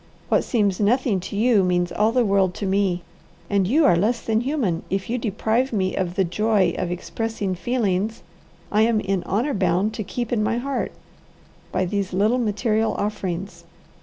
What seems nothing to you means all the world to me, and you are less than human if you deprive me of the joy of expressing feelings I am in honour bound to keep in my heart, by these little material offerings.